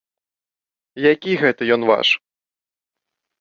Які гэта ён ваш?